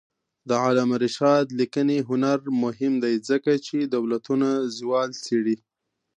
د علامه رشاد لیکنی هنر مهم دی ځکه چې دولتونو زوال څېړي.